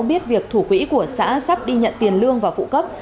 biết việc thủ quỹ của xã sắp đi nhận tiền lương và phụ cấp